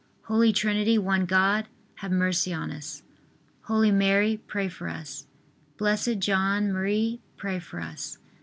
Holy Trinity, one God, have mercy on us. Holy Mary, pray for us. Blessed John Marie, pray for us.